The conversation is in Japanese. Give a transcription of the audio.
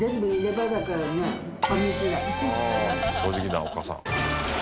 正直なお母さん。